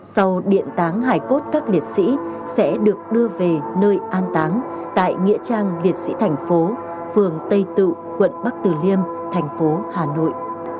sau điện táng hải cốt các liệt sĩ sẽ được đưa về nơi an táng tại nghĩa trang liệt sĩ thành phố phường tây tự quận bắc tử liêm thành phố hà nội